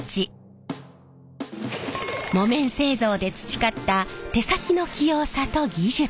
木綿製造で培った手先の器用さと技術。